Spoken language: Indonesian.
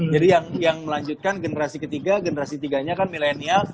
jadi yang melanjutkan generasi ketiga generasi tiganya kan millennial